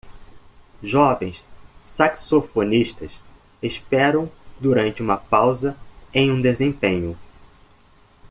Jovens saxofonistas esperam durante uma pausa em um desempenho